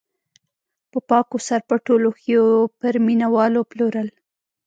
په پاکو سرپټو لوښیو یې پر مینه والو پلورل.